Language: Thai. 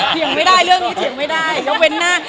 ก็ว่าเรื่องไม่ได้ยกเว้นหน้า